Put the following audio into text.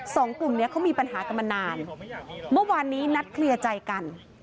สองกลุ่มเนี้ยเขามีปัญหากันมานานเมื่อวานนี้นัดเคลียร์ใจกัน